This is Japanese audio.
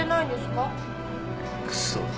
クソ。